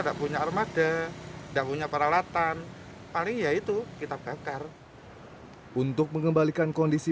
tak punya armada dan punya peralatan paling yaitu kita bakar untuk mengembalikan kondisi